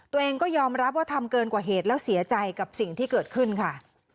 ตัวเองก็ยอมรับว่าทำเกินกว่าเหตุแล้วเสียใจกับสิ่งที่เกิดขึ้นค่ะ